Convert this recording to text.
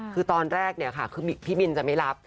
คือตอนแรกเนี่ยค่ะคือพี่บินจะไม่รับ